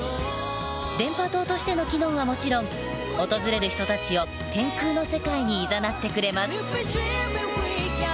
電波塔としての機能はもちろん訪れる人たちを天空の世界にいざなってくれます。